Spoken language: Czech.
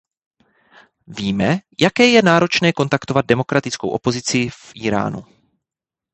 Víme, jaké je náročné kontaktovat demokratickou opozici v Íránu.